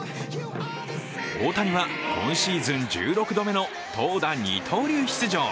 大谷は今シーズン１６度目の投打二刀流出場。